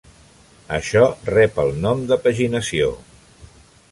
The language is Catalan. Això rep el nom de paginació.